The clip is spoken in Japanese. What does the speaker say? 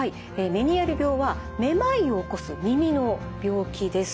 メニエール病はめまいを起こす耳の病気です。